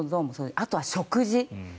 あとは食事。